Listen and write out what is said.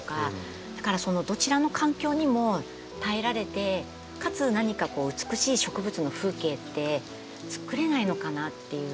だからそのどちらの環境にも耐えられてかつ何かこう美しい植物の風景ってつくれないのかなっていう。